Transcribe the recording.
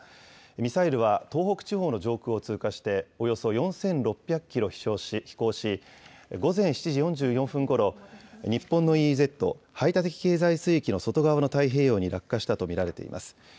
ミサイルは東北地方の上空を通過して、およそ４６００キロ飛行し、午前７時４４分ごろ、日本のＥＥＺ・排他的経済水域の外側の太平洋に落下したと見られています。